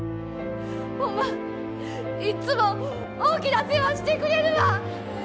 ホンマいっつも大きなお世話してくれるわ！